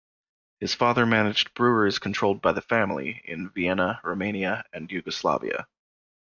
His father managed breweries controlled by the family in Vienna, Romania, and Yugoslavia.